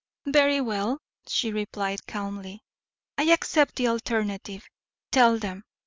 "Very well," she replied, calmly; "I accept the alternative; tell them.